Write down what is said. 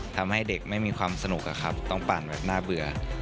ทำให้เด็กไม่มีความสนุกอะครับต้องปั่นแบบน่าเบื่อ